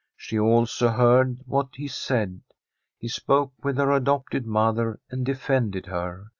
She also heard what he said ; he spoke with her adopted mother and defended her.